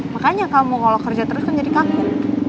makanya kamu kalau kerja terus kan jadi kangen